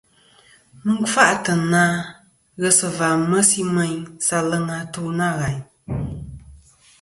Mɨ n-kfâʼ na ghes va mesi meyn sa aleŋ atu nâ ghàyn.